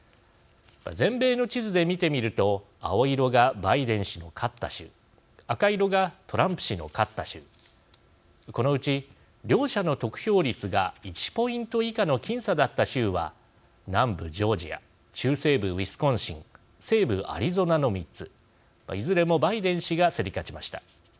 全米の地図で見てみると青色がバイデン氏の勝った州赤色がトランプ氏の勝った州このうち両者の得票率が１ポイント以下の僅差だった州は南部ジョージア中西部ウィスコンシン西部アリゾナの３ついずれもバイデン氏が競り勝ちました。